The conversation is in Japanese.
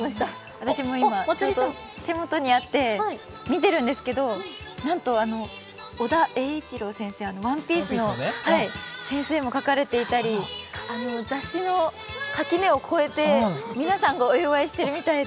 私も今、手元にあって見ているんですけど、尾田栄一郎先生、「ＯＮＥＰＩＥＣＥ」の先生も描かれていたり雑誌の垣根を越えて、皆さんがお祝いしてるみたいで。